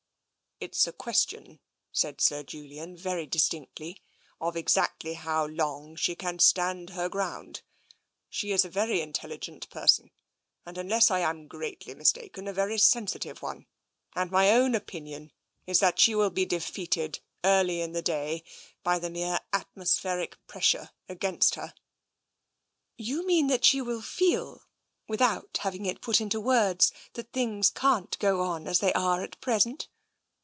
" It's a question," said Sir Julian, very distinctly, " of exactly how long she can stand her ground. She is a very intelligent person, and, unless I am greatly mistaken, a very sensitive one, and my own opinion is that she will be defeated early in the day by the mere atmospheric pressure against her." " You mean that she will feel, without having it put into words, that things can't go on as they are at present?